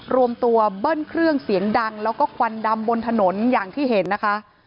รวมตัวเบิ้ลเครื่องเสียงดังแล้วก็ควันดำบนถนนอย่างที่เห็นนะคะ